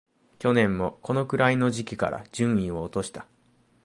去年もこのくらいの時期から順位を落とした